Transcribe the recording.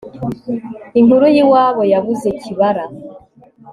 inkuru y'iwabo yabuze kibara